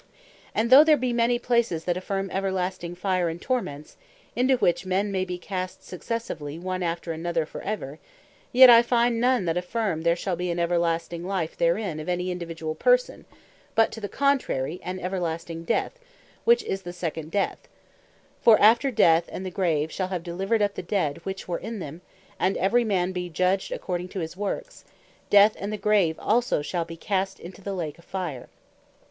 And though there be many places that affirm Everlasting Fire, and Torments (into which men may be cast successively one after another for ever;) yet I find none that affirm there shall bee an Eternall Life therein of any individuall person; but on the contrary, an Everlasting Death, which is the Second Death: (Apoc. 20. 13,14.) "For after Death, and the Grave shall have delivered up the dead which were in them, and every man be judged according to his works; Death and the Grave shall also be cast into the Lake of Fire.